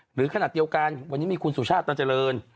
หรือขนาดเดียวกันวันนี้มีคุณสุชาติตันเจริญ